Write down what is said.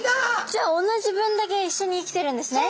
じゃあ同じ分だけ一緒に生きてるんですね？